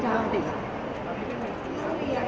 เพราะว่าพึ่งกลับมาได้เจอทุกคน